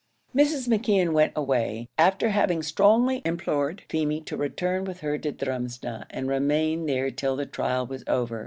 Mrs. McKeon went away, after having strongly implored Feemy to return with her to Drumsna, and remain there till the trial was over.